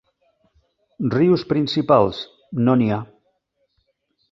Rius principals: no n'hi ha.